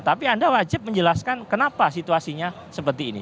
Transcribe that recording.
tapi anda wajib menjelaskan kenapa situasinya seperti ini